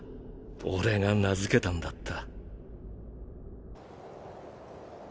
俺が名付けたんだった。